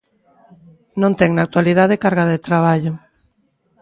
Non ten na actualidade carga de traballo.